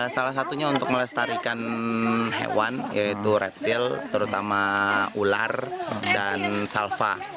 salah satunya untuk melestarikan hewan yaitu reptil terutama ular dan salva